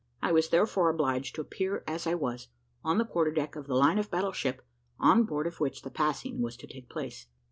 I was therefore obliged to appear as I was, on the quarter deck of the line of battle ship, on board of which the passing was to take place.